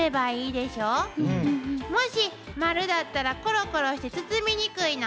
もし丸だったらコロコロして包みにくいの。